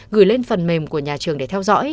gửi lên phần mềm của nhà trường để theo dõi